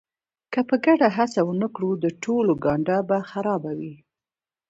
که په ګډه هڅه ونه کړو د ټولو ګانده به خرابه وي.